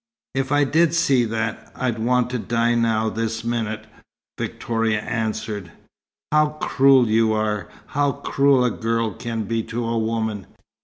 "If I did see that, I'd want to die now, this minute," Victoria answered. "How cruel you are! How cruel a girl can be to a woman.